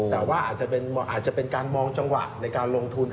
แต่ว่าอาจจะเป็นการมองจังหวะในการลงทุน